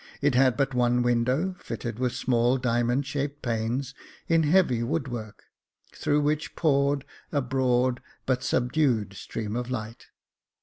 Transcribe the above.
It had but one window, fitted with small diamond shaped panes, in heavy wood work, through which poured a broad, but subdued, stream of light.